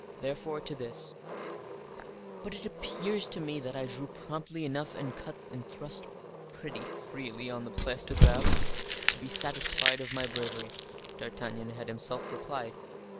Therefore to this:— "But it appears to me that I drew promptly enough, and cut and thrust pretty freely on the Place de Greve, to be satisfied of my bravery," D'Artagnan had himself replied.